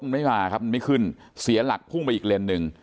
ไม่ขึ้นเสียหลักพุ่งไปอีกเลน๑